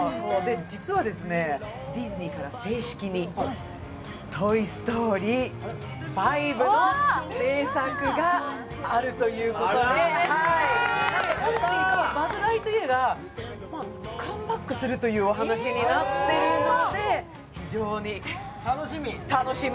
実はディズニーから正式に「トイ・ストーリー５」の製作があるということでウッディとバズ・ライトイヤーがカムバックするというお話になっているので非常に楽しみ。